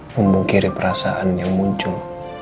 memungkiri perasaan yang muncul